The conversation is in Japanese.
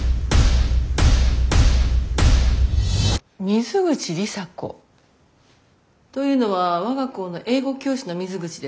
水口里紗子？というのは我が校の英語教師の水口ですか？